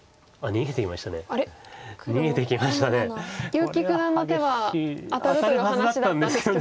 結城九段の手は当たるという話だったんですけど。